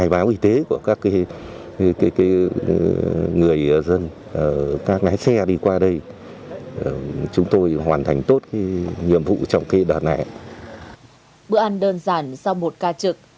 bữa ăn đơn giản sau một ca trực